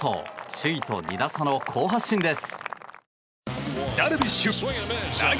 首位と２打差の好発進です。